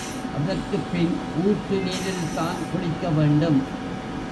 அதற்குப் பின் ஊற்று நீரில்தான் குளிக்க வேண்டும்.